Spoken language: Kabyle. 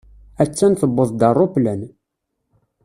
A-tt-an tewweḍ-d ṛṛuplan.